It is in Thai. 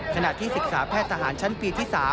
ขณะที่ศึกษาแพทย์ทหารชั้นปีที่๓